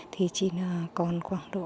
thì chỉ là còn khoảng độ ba